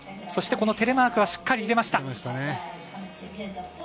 そしてこのテレマークはしっかり入れました。